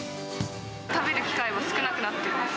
食べる機会は少なくなってます。